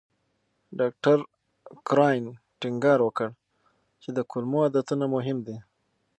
ډاکټر کرایان ټینګار وکړ چې د کولمو عادتونه مهم دي.